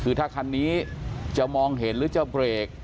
คือถ้าคันนี้จะมองเห็นหรือจะเบรก